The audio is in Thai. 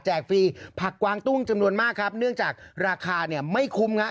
ฟรีผักกวางตุ้งจำนวนมากครับเนื่องจากราคาเนี่ยไม่คุ้มฮะ